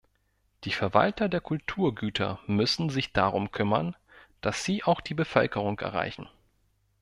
Die Verwalter der Kulturgüter müssen sich darum kümmern, dass sie auch die Bevölkerung erreichen.